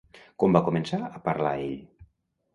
Com va començar a parlar ell?